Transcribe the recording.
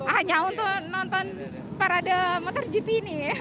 hanya untuk nonton para de motogp ini